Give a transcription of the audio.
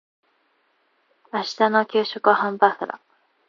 明日の給食はハンバーグだ。